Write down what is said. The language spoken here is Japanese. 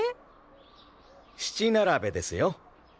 七並べですよ。